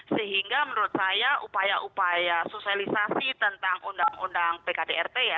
sehingga menurut saya upaya upaya sosialisasi tentang undang undang pkdrt ya